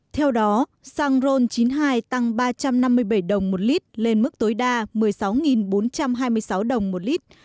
theo đó xăng ron chín mươi hai tăng ba trăm năm mươi bảy đồng một lít lên mức tối đa một mươi sáu bốn trăm hai mươi sáu đồng một lít